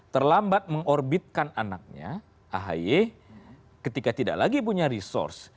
terlambat mengorbitkan anaknya ahy ketika tidak lagi punya resource